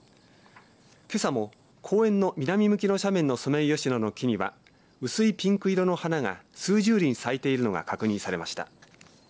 けさも公園の南向きの斜面のソメイヨシノの木には薄いピンク色の花が数十輪咲いているのが確認されました。